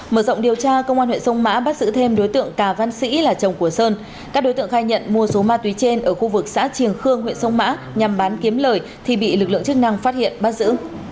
mở rộng điều tra công an huyện sông mã bắt giữ thêm đối tượng cà văn sĩ là chồng của sơn các đối tượng khai nhận mua số ma túy trên ở khu vực xã triềng khương huyện sông mã nhằm bán kiếm lời thì bị lực lượng chức năng phát hiện bắt giữ